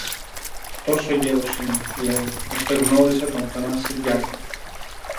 Τόσο γέρος είναι, λέει, ώστε γνώρισε τον Θανάση Διάκο